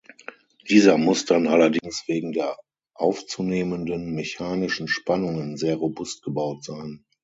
Dieser muss dann allerdings wegen der aufzunehmenden mechanischen Spannungen sehr robust gebaut sein.